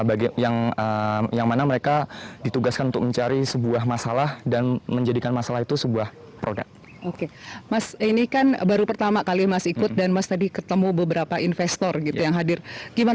bagaimana mereka ditugaskan untuk mencari sebuah masalah dan menjadikan masalah itu sebuah produk